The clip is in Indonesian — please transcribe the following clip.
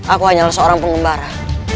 aku hanya seorang pengembara